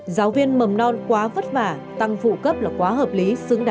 giáo viên mầm non quá vất vả tăng phụ cấp là quá hợp lý